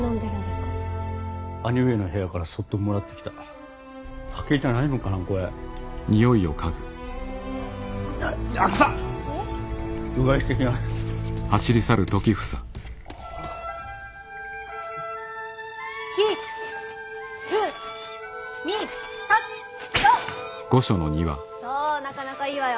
そうなかなかいいわよ。